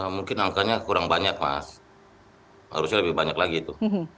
mungkin angkanya kurang banyak mas harusnya lebih banyak lagi itu